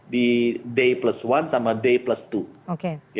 di day plus one sama day plus two